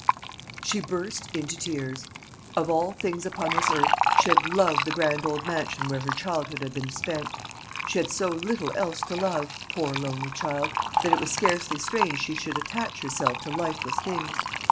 She burst into tears. Of all things upon this earth she had loved the grand old mansion where her childhood had been spent. She had so little else to love, poor lonely child, that it was scarcely strange she should attach herself to lifeless things.